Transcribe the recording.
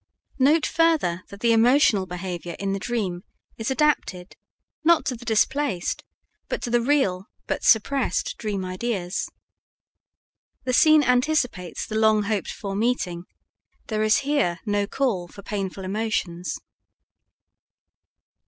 Note, further, that the emotional behavior in the dream is adapted, not to the displaced, but to the real but suppressed dream ideas. The scene anticipates the long hoped for meeting; there is here no call for painful emotions.